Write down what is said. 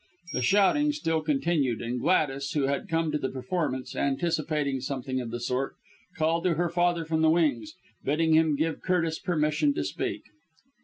The shouting still continued, and Gladys, who had come to the performance anticipating something of the sort, called to her father, from the wings, bidding him give Curtis permission to speak.